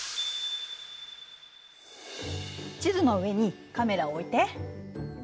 地図の上にカメラを置いて。